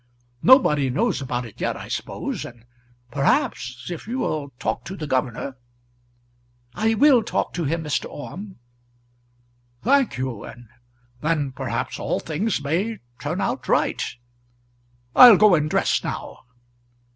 Nobody knows about it yet, I suppose; and perhaps, if you will talk to the governor " "I will talk to him, Mr. Orme." "Thank you; and then perhaps all things may turn out right. I'll go and dress now."